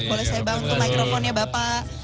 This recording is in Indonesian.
boleh saya bangun ke microphone nya bapak